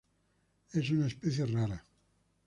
Es una especie rara.